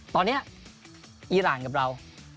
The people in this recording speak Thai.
ตอนนี้อีรานกับเรา